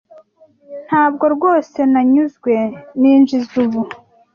Ntabwo rwose nanyuzwe ninjiza ubu.